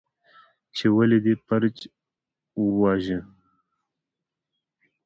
، چې ولې دې فرج وواژه؟